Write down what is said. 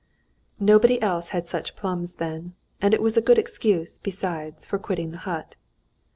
Nobody else had such plums then, and it was a good excuse, besides, for quitting the hut.